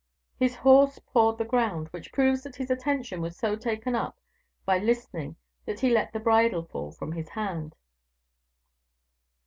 His horse pawed the ground, which proves that his attention was so taken up by listening that he let the bridle fall from his hand."